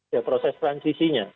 ya proses transisinya